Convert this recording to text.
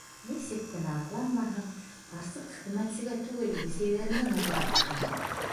Нисек кенә аҡланмаһын, ҡарсыҡ хеҙмәтсегә түгел, бесәйҙәренә нығыраҡ ышана.